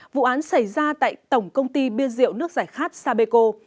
vụ án xảy ra tại tổng công ty biên diệu nước giải khát sapeco